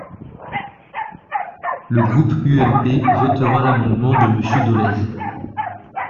Le groupe UMP votera l’amendement de Monsieur Dolez.